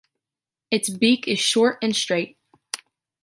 Its beak is short and straight.